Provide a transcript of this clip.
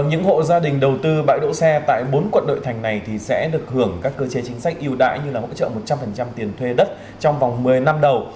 những hộ gia đình đầu tư bãi đỗ xe tại bốn quận nội thành này sẽ được hưởng các cơ chế chính sách yêu đãi như là hỗ trợ một trăm linh tiền thuê đất trong vòng một mươi năm đầu